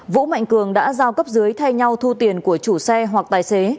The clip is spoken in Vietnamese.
vũ mạnh cường đã giao cấp dưới thay nhau thu tiền của chủ xe hoặc tài xế